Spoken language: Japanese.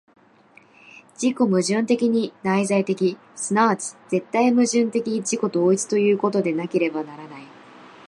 自己矛盾的に内在的、即ち絶対矛盾的自己同一ということでなければならない。